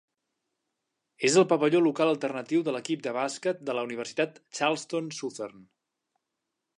És el pavelló local alternatiu de l'equip de bàsquet de la Universitat Charleston Southern.